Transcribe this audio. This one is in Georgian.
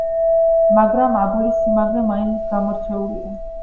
მაგრამ აბულის სიმაგრე მაინც გამორჩეულია.